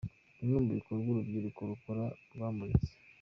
Bimwe mu bikorwa urubyiruko rukora rwamuritse.